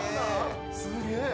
すげえ。